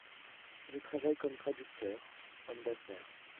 Je travaille comme (traducteur / homme d'affaires).